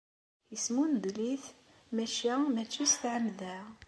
Yesmundel-it maca mačči s ttɛemda!